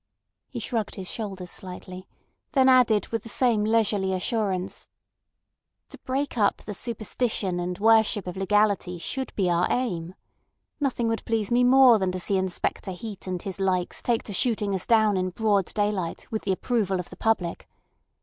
He shrugged his shoulders slightly, then added with the same leisurely assurance: "To break up the superstition and worship of legality should be our aim. Nothing would please me more than to see Inspector Heat and his likes take to shooting us down in broad daylight with the approval of the public.